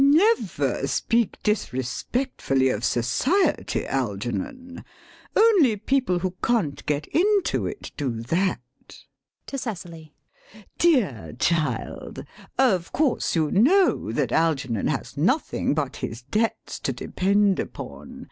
Never speak disrespectfully of Society, Algernon. Only people who can't get into it do that. [To Cecily.] Dear child, of course you know that Algernon has nothing but his debts to depend upon.